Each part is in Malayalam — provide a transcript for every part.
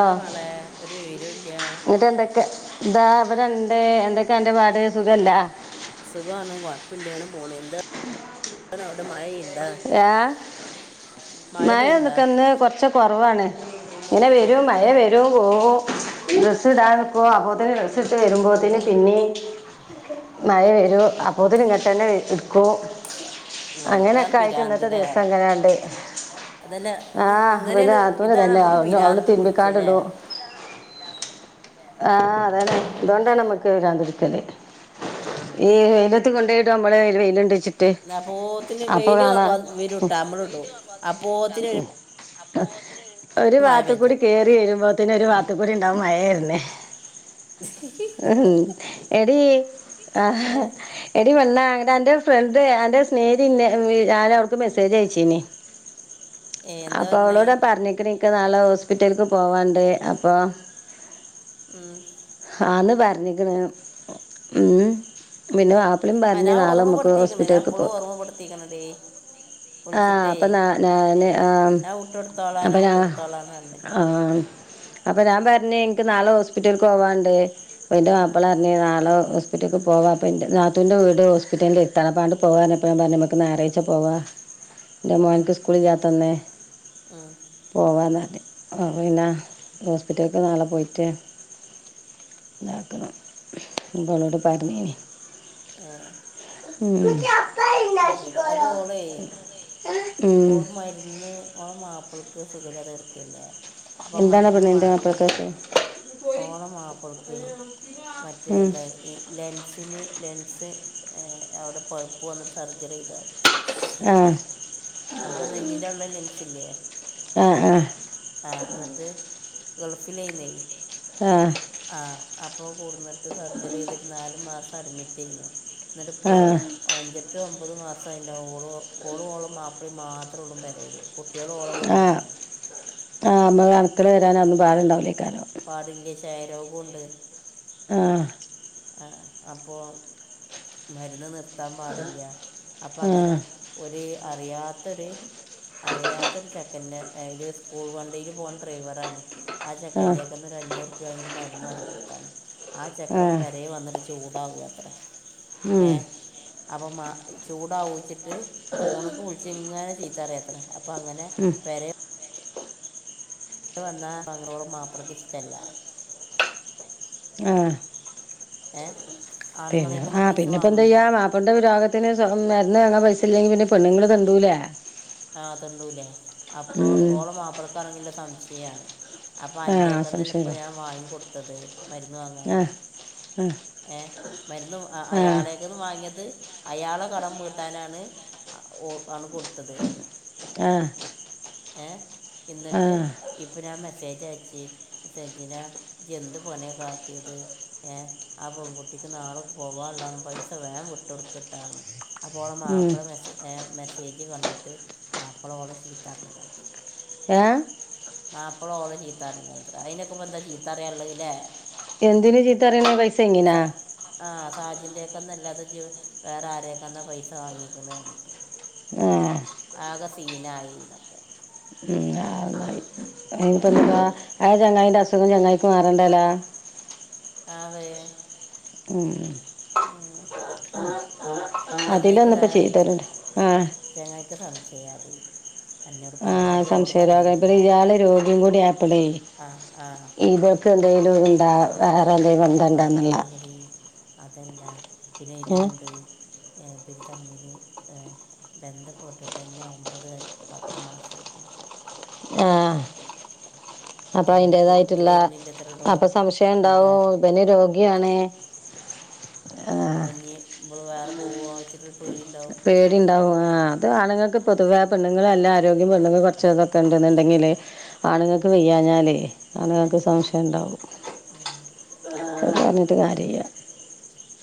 എവിടെ ആഹ മോളെ ഒരു വിവരവുമില്ല എന്നിട്ട് എന്തൊക്കെ? ഇതാ ഇവിടെണ്ട് എന്തൊക്കെ എന്റെപാട് സുഖല്ലാ? സുഖമാണ് കുഴപ്പില്ല അങ്ങനെ പോണ് എന്താവിടെ മഴഇൻ ഏഹ് മഴ പെയ്യണ്ടാ മാഴന്തൊക്കന്ന് കൊറച് കൊറവാണ് ഇങ്ങനെ വരും മഴ വരും പോവും ഡ്രസ്സ് ഇടാൻ പോ അപ്പോത്തന്നെ ഡ്രസ് ഇട്ട് വരുമ്പോത്തന് പിന്നെ മഴ വരൂ അപ്പോത് നിങ്ങട്ടു തന്നെ എടുക്കും ഉം ന്താണ് അങ്ങനെയൊക്കെ ആയിട്ട് ഇന്നത്തെ ദിവസം എങ്ങനെയണ്ട് അതന്നെ ഇ- ആഹ് പിന്നെ ഇങ്ങനെയാണ് അതും ഇതാണ് ഇതന്നെ നമുക്ക് അവിടെ പിരാന്ത് പിടിച്ചല്ലേ തിന്മിക്കാണ്ടിടും ആഹ് അതെ ഇതുകൊണ്ട നമുക്ക് വരാാന്തിക്കല്ഈ ഉം കൊണ്ട പോയിട്ട് നമ്മള വെയിൽ ണ്ട് വെച്ച്ട്ട് എന്നപ്പോ ത്തിന് വെയില് വെയില ഇട്ടാ നമ്മള ഇട അപ്പപ്പോ ത്തിന് ഒരു വാത്ത പെജ്ജ കൂടി കേറി വരുമ്പോത്തേനെ ഒരു വാത്തക്കൂടി ഉണ്ടാവും മഴയന്നേ ഉ എ ഏ ആഹ എടി വണ്ണാ അങ്ങനെ എന്റെ ഫ്രണ്ട് എന്റെ സ്നേഹരി ഇ ഞാന അവർക്ക് മെസ്സേജ് അയച്ചേനി ഏ എന്താ അപ്പൊ പറഞ്ഞേ അവളോട പറഞ്ഞിക്ക്ണക്ക് നാളെ ഹോസ്പിറ്റലക്ക് പോവാണ്ട് അപ്പൊ ആം ആന്ന് പറഞ്ഞിക്കണ ഉം പിന്നെ പിന്നെ അ ഞാ ഓമ്മപ്പെടുത്തിക്കണ ഞാ എപ്പളും ഓർമ്മപ്പെടുത്തിക്കണടി ആഹ് അപ്പൊ [unintelligible] ആ ഞാൻ വിട്ടെടുത്തോളാം അപ്പൊ ഞാൻ ഞാ വിട്ടെടുത്തോളാം എന്ന് പറഞ്ഞേ ആഹ അപ്പൊ ഞാൻ പറഞ്ഞ എനിക്ക് നാളെ ഹോസ്പിറ്റല പോവാണ്ട് ന്റ ആ മാപ്പള പറഞ്ഞ നളെ ഹോസ്പിറ്റ ഹോസ്പറ്റേക്ക് പോവാ അപ്പ നാത്തുന്റെ വീട് ഹോസ്പിറ്റലിത്ത അപ്പാണ്ട് പോവാൻ എപ്പോഴാ പറ നമു ഞായറാ്ച്ച പോവാ എന്റെ മോനക്ക് സ്കൂളില്ലാത്തന്ന് ആഹ പോവാന്ന പിന്നെ ഹോസ്പിറ്റലക്ക് നാളെ പോയിട്ട് ഇതാക്കണം മഗോളോട് പറഞ്ഞനി ആ ഉം [inaudible] ആ ശരി അത് ഓളെ ഉം ഓർ മരുന്ന് ഓർ മ അവൾക്ക് സുഖല്ലാതകിടക്കല്ലേ അപ്പോ എന്താണ് മരുന്ന് പെണ്ണ് എന്റെ വാങ്ങൻ. മാപ്പളക്കൊക്കെ ഓണംമാപ്പുറക്കെ ഉം മറ്റേത് ഈ ലെൻസിന് ലെൻസ് അവിടെ പഴപ്പ് വന്നട്ട സർജറി ചെയ്തരുന്നു ആഹ നമ്മള് നെഞ്ഞിൻന്റെ ഉള്ള ലെൻസ് ഇല്ലേ ആഹ് ആഹ് ആ എന്നിട്ട് ഗൾഫിൽഴന്നയി ആഹ് ആഹ അപ്പൊ കൂടുന്നിട്ട് സർജറി ചെയ്തിട്ട് നാല് മാസം അഡ്മിറ്റ് ചെയ്യുന്നു എന്നിട്ട ഇപ്പോ ആഹ് അഞ്ചെട്ട് ഒമ്പത് മാസം അയിന്റവും ഓള ഓളും ഓളും മാപ്പിളയും മാത്രം ഉള്ളു പരേൽ കുട്ട്യാള്ഓളെ ആഹ് കൂടീലാണ. ആഹ് നമ്മള് അണുക്കള് വരാൻ അതൊന്ന് ഭാര ഉണ്ടാകൂലൈ കാരം. പാടില്ല ക്ഷായരോഗണ്ട്. ആഹ ആ അപ്പോ മരുന്ന് നിർത്താൻ പാടില്ല അപ്പ ആ അങ്ങനെ ഒരു അറിയാത്തൊരു അറിയാത്തരു ച പിന്നെ അയ്ല് സ്കൂൾ വണ്ടീൽ പോണെഡ്രൈവറണ് ആ ചക്കൻ്റെക്കന്നൊ ഒരു അഞ്ഞൂറ്പ്യ വാങ്ങി മരുന്ന് വാങ്ങി കൊടുത്താണ് ആ ചെക്കൻ വന്നിട്ട് ചൂടാവത്ര ഏ ഉം, അപ്പ മ ചൂടാകോ ത് ഫോണ്ക്ക് വിളിച്ചങ്ങനെ ചിത്ത പറയത്ര അപ്പോ അങ്ങനെ ഉം, പെരെ ഇ വന്നാ [unintelligible] മാപ്പലക് ഇഷ്ടല്ല. ആഹ് ഏ പിന്നെ ആണുങ്ങളേക്കൊന്ന് ആഹ പൈസ പിന്നെപ്പ വാങ്ങണത് എന്തയ്യാം മാ അപ്പൊണ്ട് രോഗത്തിന് മരന്ന് വാങ്ങാൻ പൈസ ഇല്ലെങ്ക പിന്നെ പെണ്ണുങ്ങൾ തെണ്ടൂലേ? ആ തെണ്ടൂല്ലേ അപ്പൊ ഉം, ഓള് മാപ്പളക്കണങ്കി സംശയാണ്. അപ്പ ആ അൻ്റെയൊക്കെല്ലെ ഇപ്പോൾ ഞാൻ വാങ്ങി കൊടുത്തത് ആഹ് ആഹ് ഏഹ മരുന്നു അയാളെ വാങ്ങിയത് അയാളെ കടം വീട്ടാനാണ് ആണ് കൊടുത്തത്. ആഹ് ഏഹ എന്നിട്ട് ഇപ്പ ഞാൻ മെസ്സേജ് അയച് സജിനാ ഇജ് എന്ത് പണികാട്ടിയത് ഏ ആ പൺകുട്ടിക്ക് നാളെ പോവാനുള്ളതാന്ന് പൈസ വേകം വിട്ടൊടുക്കട്ടാന്ന് അപ്പോൾള ഉം. മാപ്പിളെ മെസ് എ മെസ്സേജ് കണ്ടിട്ട് മാപ്പിള ഓള ചീത്ത പറഞ്ഞക്ക്ണത്ര ഏ മാപ്പള ഓളെ ചീത്തപറഞ്ഞുത്രെ അയ്നക്കെപന്താ ചീത്തറയാളെല്ലെ എന്തിന് ചീത്തറയണ് പൈസ കൈഞ്ഞെന ആഹ് സാജിൻ്റെയക്കെന്നും അല്ലാതെ വേറെ ആരെക്കാന്നാ പൈസ വാങ്ങിക്കണേ പറഞ്ഞിട്ട്. ആഹ് ആകെ സീനായിന്നൊക്കെ ഉനി [unintelligible] ന്ന ആ ചങ്ങായിന്റെ അസുഖം ചങ്ങായിക്കും മാറണ്ടല്ല പാ വേ [unintelligible] ഉം അതില ഒന്നപ്പോ ചെയ്തരണ്ട് ആഹ് ത [unintelligible] യ്ക്ക് സംശയാ ടി ആഹ് സംശയരോഗം ആയപോളെ ഇയാള് രോഗിയും കൂടി ആയപളെ ആ ആ ഇവ- എന്തെങ്കലും എന്താ വേറെ എന്തെങ്കും വ [unintelligible] അയ്നു അതല്ലെടി അതെല്ല പിന്നെ ഏഹ് ഇതൊണ്ട് എ ഇവര് തമ്മില് എ ! ! ! ! ! ! ! ! ! ! ആഹ് അപ്പൊ ചങ്ങായിക്ക് ഇത് അതിന്റേതായിട്ടുള്ള വരുന്നില്ല എത്രടോ അപ്പൊ സംശയം വികാ ഉണ്ടാവോ ഇവന് രോഗിയാണ് ആഹ് ! ! ! ! ! ! ! ! ! ! പേ [unintelligible] ഇണ്ടാവും ആ അത് ആണുങ്ങൾക്ക് പൊതുവേ പെണ്ണുങ്ങൾ നല്ല ആരോഗ്യ പെണ്ണങ്ങൾ കൊറച്ചതൊക്കെ ഉണ്ടന്നുണ്ടെങ്കിലെ- ആണുങ്ങൾക്ക് വെയ്യാഞ്ഞാലേ ആണുങ്ങൾക്ക് സംശയം ഉണ്ടാവും ഉം. അത് പറഞ്ഞിട്ട് കാര്യല്ല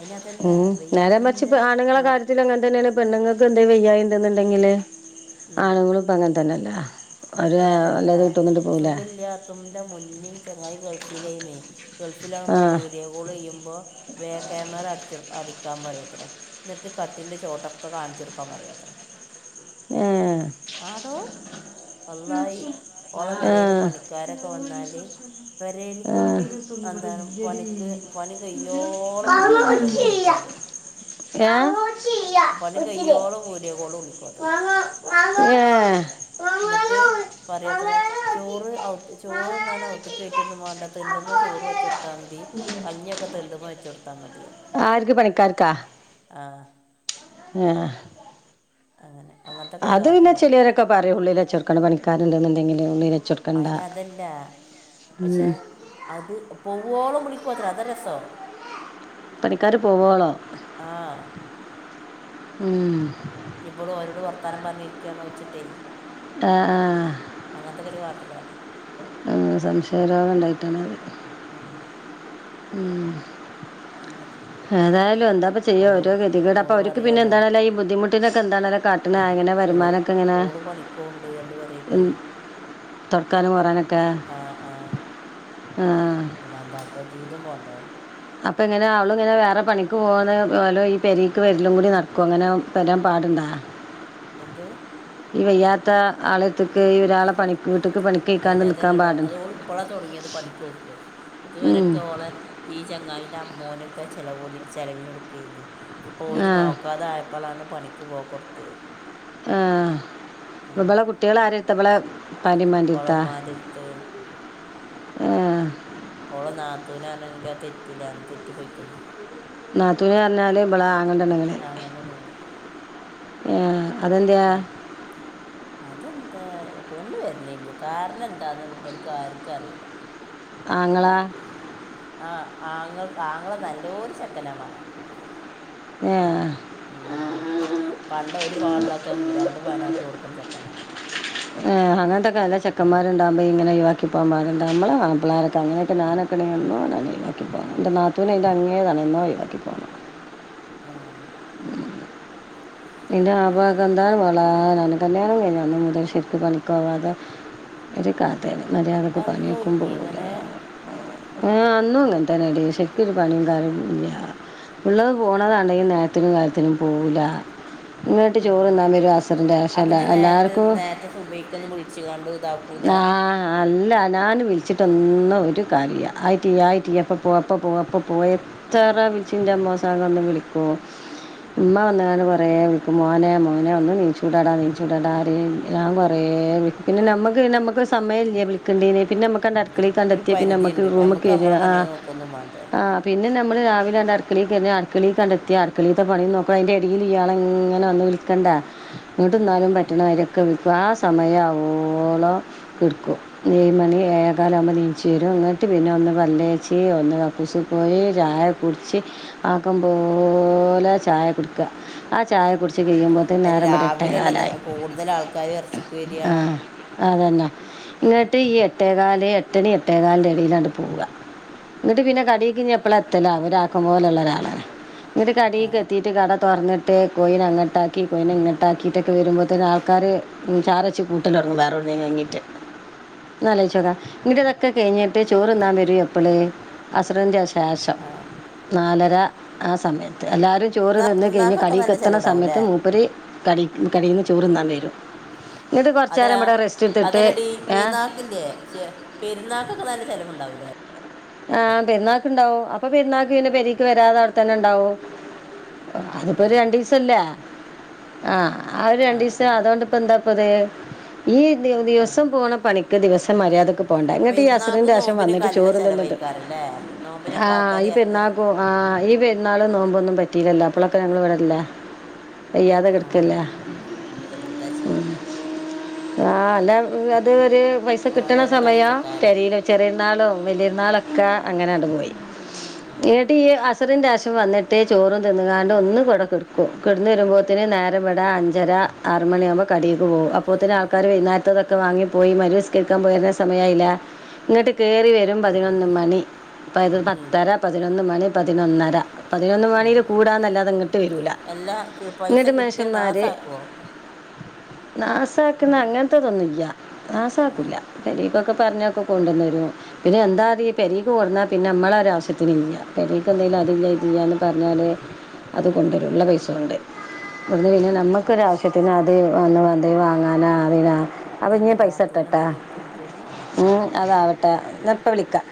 അതിനതല്ല ഉം നേരെ മറിച്ച് വയ്യാത്തമ്മിൻ്റെ ഇപ്പൊ ആണുങ്ങളെ മോ കാര്യത്തിലങ്ങ- അത് തന്നെയല്ലെ പെണ്ണുങ്ങൾക്ക് എന്താ വയ്യായി എന്തെന്നുണ്ടെങ്കില് ഉം. ആണുങ്ങളും ഇപ്പ അങ്ങനെതന്നല്ലേ ഒ അല്ലത് കട്ടന്നിട്ട് പോകലേ [unintelligible] ന്റെ മുന്നേ ചങ്ങായി ഗൾഫില നെയ ആ ഗൾഫിലാകുമ്പോൾ വീഡിയോ - കോൾ ചെയ്യുമ്പോ ബാക്ക് ക്യാമറ അടിച്ച അടിക്കാൻ പറയത്രേ ! ! ! ! !, ! ! ! ! ഏ വള്ളാഹി ഏ ഏ ഏ ഓളപെരേല് പണിക്കാര വന്നാല് പെരേൽ മം അന്താണ് പണിക്ക് പണി കയ്യോളം വിളിക്കുവത്രെ വീഡിയോ കോളില് യേ പണി [unintelligible] കയ്യോളം വീഡിയോ കോൾ [unintelligible] വിളിക്കും അത്രേ ഏ എ ഇന്ന്ട്ട് പറയാത്ര ചോറ് അവുക്ക് ചോറുണ്ണാൻ അവുത്ത്ക്ക് കയറ്റെന്നും വേണ്ട തിണ്ടുമ്പോ ചോറ് വെചൊടുത്താ മതി കഞ്ഞിയൊക്കെ തിണ്ടുമ്മെ വെച്ചോടുത്താ മതീന്ന് ആർക്ക് പണിക്കാർക്കാ ആഹ് ആ... ഹ് അങ്ങനെ അങ്ങനത്തെ ഒക്കെ ഒരു അത് പിന്നെ കാട്ടലാണ് ചിലേരൊക്കെ പറയും ഉള്ളിലച്ചോർക്കണം പണിക്കാരുണ്ട്ന്നുണ്ടെങ്കില് ഉള്ളിലു വെച്ചോട് അയിന് അതല്ല. പക്ഷെ അത് പൊവോളും കുളിക്കുവത്രെ അതാ രസം പണിക്കാര് പോവുളോമ് ആ മ് ഇഞ്ഞി ഇബള് ഓരോട് വർത്താനം പറഞ്ഞിരിക്കുകയാണോച്ചിട്ടെയ് ആ ആഹ് അങ്ങനത്തൊക്കെ ഒരു കാട്ടലാണ് അങ്ങനെ സംശയരോഗ ണ്ടായിട്ടാണത് ആഹ് ഊമ് അങ്ങനെ ഹേതായാലും എന്താപ്പ ചെയ്യാ ഓള് ഓരോ ഗതികേട് അപ്പൊ ഓള് അവർക്ക് പിന്നെ പറയാലോ എന്താണല്ലോ ഇ ബുദ്ധിമുട്ട് കുട്ടിനൊക്കെ എന്താങ്ങനെ കാട്ട്നെ [unintelligible] ഓ ഓള് പണിക്കോൺണ്ട് രണ്ടു പേരേക്ക് തൊടക്കാനും മോറാനൊക്കെ ആ ആ ആ അല്ല എന്താട്ട ജീവിതം പോണ്ടേ. അപ്പോ എങ്ങനെ അവള്ങ്ങനെ വേറെ പണിക്ക് പോകലും ഈ പെരീക്ക് വരിലും കൂടി നടക്കോ? ങ്ങനെ വരാം പാട്ണ്ടോ? എന്ത്? ഈ വയ്യാത്ത ആളെര്ത്ക്ക് ഈ ഒരാളെ പണിക്ക് വീട്ടക്ക് പണി അയിന് അതെല്ലടോ അത് ഓള് പ്പള തൊടങ്ങീത്. പണിക്കോക്ക് ഉം. ഇതുവരൊക്കെ ഓളെ ഈ ചങ്ങായിന്റെ അമ്മോനൊക്കെ ചെലവ്ന് ചെലവ്നൊട്ക്കേര്ന്നു ഇപ്പോ ആ ഓല് നോക്കാതായപ്പോ പ്പളാണ് പണിക്ക് പോകൊട്ത്യേത്. ആ പ്പോ ബളെ കുട്യേളാരേര്ത്ത. ബ്ളെ ഓളമ്മാൻ്റെര്ത്ത് ഓള നാത്തൂനാണെങ്കിലോ തെറ്റിലാണ് തെറ്റി പോയിക്കുണ്. നാത്തൂന്ർഞ്ഞാല് ബ്ളെ ആ ആങ്ങൾടെണ്ണങ്ങള്. ഏആ അതെന്ത്യാ. അതെന്ത് പെണ്ണ് വെര്നില്ലാ കാര്ണെന്താന്ന് ബെൽക്കാര്ക്കോറീല. ആങ്ങള. ആഹ് ആങ്ങൾക്ക് ആങ്ങള നല്ലോരു ചെക്കനാ മളെ. എആഹ് ഏ പണ്ടൊരു പവൻക്കെള്ളതൊക്കേ രണ്ട് പവനാക്കി കൊടുക്കുന്ന ചെക്കന. ഏ അങ്ങൻത്തൊക്കല്ല ചെക്കന്മാര്ണ്ടാകുമ്പോ യിങ്ങനൊയിവാക്കി പോകാം പാട്ണ്ടോ. മ്മള മാപ്പ്ളാരൊക്കെ അങ്ങനൊക്കെ ഞാനെ നക്കണെന്ന [unintelligible] ഞാൻ ഇയിലലി പോണം എ്റെ നാത്തൂനയി അങ്ങേ തണെ ന്നോ ഒയിവാക്കി പോണം. ആഹ് എന്റെ ആപ്പെന്ത [unintelligible] പോലെതന്നെയണ് അന്ന് മുതല് ശരിക്ക് പണിക്കോവാതെ ഒരു കഥെണ് മര്യാതക്ക് അതൊന്നുമില്ലേ പണിക്കുമ്പോവൂലാ. ഇങ്ങനെ ആഹ് അന്നൂങ്ങൻതനെടീ ശെരിക്കൊരു പണീകാര്യോന്നുല്ല്യാ ഉള്ളത് പോണതാണെങ്കി നേരത്തിനും കാൽത്തിനും പോവുലാ ആ ശേഷം അപ്പജ്ജ് എല്ലാ- നേരത്തെ എല്ലാവർക്കും നേരത്തെ സുബൈക്കൊന്നും വ്ൾച്ചാണ്ട് ത ആഹ് അല്ല ഞാന് വിളിച്ചിട്ടൊന്നും ഒരു കാര്യോല്ല ആയിട്ടില്ല ആയിട്ടില്ല പ്പൊ പോക പ്പൊ പോയെ തെറെ വിൾച്ചിന്റമ്മോസാക വന്ന് വിളിക്കൂ മ്മ വന്ന്കാണ് കൊറെ വിളിക്കും മോനെ മോനെ ഒന്ന് നീച്ചൂടെടാ നീചൂടാടാ റീം ഞാ കൊറെേ വിളി പിന്നെ നമ്മക്ക് നമ്മക്കൊര് സമയല്ല്യെ വിൽിക്കണ്ടീന് പിന്നെ നമ്മക്ക ണ്ട ക്കണി ഒരു കണ്ടെത്യ പിന്നെ മ്മക്ക് പരിധിയുണ്ട് നമുക്ക് റൂമ്കേര്യ നമ്മളെ ആ പണി നോക്കൊന്നും വേണ്ടേ ആ പിന്നെ നമ്മള് രാവിലെണ്ട്‌ അക്കളിൽകെ [unintelligible] കഞ്ഞൽ അക്കളീതെ പണീ നോക്കണംകണ്ടെത്തി അക്കളീ പിന്നെ നോക്കണം അയിൻ്റെ എടീയിൽ ഇയാളെങ്ങനെ വന്ന് വിളി കണ്ട എങ്ങ്ട്ട് ഉം. ന്നാലും പറ്റണ മായിരൊരക്കെ വിളിക്കും ആ സമയാവോവോളം കേൾക്കും [unintelligible] ഏഴ് മണി ഏഴെക്കാലാകു ആകുമ്പോ ന്നീചിവരും ന്ന്ട്ട് പിന്നെ ഒന്ന് പല്ലേച്ചി ഒന്ന് കക്കൂസി പോയി ചായ കുട്ച്ച് ആക്കമ്പോലേ ചായ കുടിക്ക ആ ചായ കുടിച് കഴുമ്പോ അയിന് രാവിലല്ല കൂടുതൽ ആൾക്കാരും എർച്ചിക്ക് വരിയാ? ആ അതന്നെ ങ്ങ്ട്ട് ഈ എട്ടേകാല് എട്ടണി എട്ടേകാലിന്റെടേലയിട്ട് പോവ ങ്ങ്ട്ട് പിന്നെ കടീക്കിഞി എപ്പള എത്തലവോ ഒരാക്കം പോലെള്ള ഒരാളാണ്. ന്ന് കടീക്ക് എത്തീട്ട് കട തൊർന്നിട്ട് കോയിനെ അങ്ങട്ടാക്കി കോയിനെ ഇങ്ങട്ടാക്കിയിട്ടൊക്കെ വെരുമ്പോത്തേക്കന് ആൾക്കാര് ഉം ചാറച്ച് കൂട്ടലൊട്ങ്ങും വേറെട്ന്നേ ങ്ങിട്ട് നാലോയിച്ചോക്കാ ഇങ്ങതൊ ക്കെ കഴിഞ്ഞിട്ട് ചോറ്ന്നാം വരും എപ്പോള് അസ്റ്ന്റെ ശേഷം ആ. നാലര ആ സമയത്ത് എല്ലാരും ചോറ് പെരുന്നാ- തിന്ന് കെയിഞ്ഞ് പെരുന്നാക്കൊക്കെ നല്ല കടീകെത്തണ സമയത്ത് ചിലവുണ്ടാവൂലേ മൂപ്പര് കടീക് കടീന്ന് ചോറ്ന്നാവരും ന്നിട്ട് കൊർച്ചേരം റസ് അതല്ലടീ പെരുന്നാക്ക്ല്ലേ ഛേ പെരുന്നാക്കൊക്കെ നല്ല ചെലവുണ്ടാവൂലേ? ആഹ് പെരുന്നാക്ക്ണ്ടാവു അപ്പൊ പെരുന്നാക്ക് പിന്നെ പെരീക്ക് വരാതെ അവിടെതന്നെണ്ടാവു. അതിപ്പോ ആ ഒരു രണ്ടീസല്ലേ ആഹ് ആ ഒരു രണ്ടീസം അതൊണ്ട് പ്പെന്താപ്പത് ഈ ആ ദിവസം പോണ പണിക്ക് ദിവസം മര്യാദക്ക് പ്പോണ്ടേ ങ്ങട്ട് ഈ അസ്റിൻ്റെശം വന്നിട്ട് ചോറുംതിന്നിട്ട് ക്കാരല്ലേ നോമ്പിനൊക്കെ ആൾക്കാര് എ - ആഹ് ഈ പെര്ന്നാളും നോബൊന്നും പറ്റില്ലല്ലോ അപ്പോളൊക്കെ ഞങ്ങൾ വടല്ലേ ആഹ് എന്താ ചെയ്യാ ആഹ് അല്ല അത് ഒരു പൈസ കിട്ടണ ഓരോരോ സമയ കഷ്ടക്കാലം തരലൊ ചെറിയര്നാളും വെല്ല്യരുന്നാളൊക്കെ അങ്ങനട്ട് പോയി ഉം. എന്ന്ടയെ അ സറിൻ്റെശം വന്നിട്ടേ ചോറും തിന്ന്കാണ്ട് ഒന്നവടെ ക്കെടക്കും കിടന്ന് വെരുമ്പോത്തിന് നേരവടേ അഞ്ചര ആറ് മണിയവുമ്പോ കടീക്ക് പോവൂ അപ്പോതിന് ആൾക്കാര് വെയ്ന്നാരത്തതൊക്കെ വാങ്ങി പോയി മരിവിസ്കരിക്കാ പോയിരുന്ന സമയായില്ലേ. ങ്ങട്ട് ക്കേറിവെരും പതിനൊന്ന് മണി പ ഉം. പത്തര പതിനൊന്ന് മണി പതിനൊന്നര. പതിനൊന്ന് ഉം. മണിൽ കൂടാന്നല്ലാതെ ഇങ്ങിട്ട് വരൂല എല്ലാ കി- പൈസ ങ്ങട്ട് കിട്ടിയാൽ മഷ്യന്മാര് നാസാക്കുവോ നാസാക്ന്ന അങ്ങൻത്തതൊന്നുംല്ല്യ ആ നാസാക്കുല പ്പൊരീക്കൊക്കെ പറഞാകൊണ്ടേന്നരും പിന്നെ എന്താ ത് പെരേക്ക് കൊട്ന്നാ പിന്നെ അമ്മളൊരാവ്യഷത്തിന്ല്ല്യാ പെരേക്ക്ന്തെങ്കിലും അത് ല്യാ ഇത് ല്ല്യാ പറഞ്ഞാല് ആ അതുകൊണ്ടരു ള്ള പൈസഒണ്ട് അവിടുന്ന് പിന്നെ നമ്മുക്കരാവശ്യത്തിന് അത് വന്ന് വന്ന വാങ്ങാനവിനാ അപ്പൊ അതല്ല ഇഞ് പൈസ ഇട്ടട്ടാ നാത്തൂനെന്തെങ്കിലും കൊണ്ടുവരൂ ഉം അതാവട്ടെ ഞാപ്പ വിളിക്ക